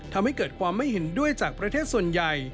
ทำให้เกิดความไม่เห็นด้วยจากประเทศส่วนใหญ่